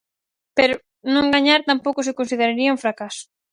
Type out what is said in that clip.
Pero non gañar tampouco se consideraría un fracaso.